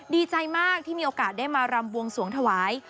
ดีใจมากที่มีโอกาสได้มารำบวงสวงถวาย